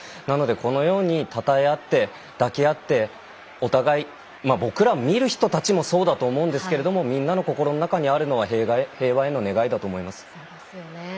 なのでこのようにたたえあって抱き合ってお互い僕ら見る人たちもそうだと思うんですけれどもみんなの心の中にあるのは平和への願いだと思います。